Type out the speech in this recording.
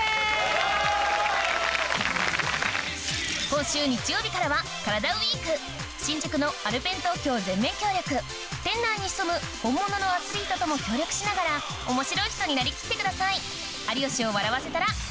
今週日曜日からは「カラダＷＥＥＫ」新宿のＡｌｐｅｎＴＯＫＹＯ全面協力店内に潜む本物のアスリートとも協力しながら面白い人になりきってください